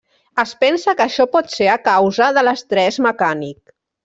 Es pensa que això pot ser a causa de l'estrès mecànic.